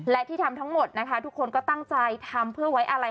และที่ทำทั้งหมดนะคะทุกคนก็ตั้งใจทำเพื่อไว้อะไร